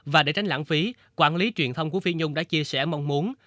và để tránh lãng phí quản lý truyền thông của phi nhung đã chia sẻ mong muốn